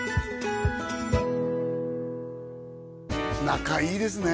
仲いいですね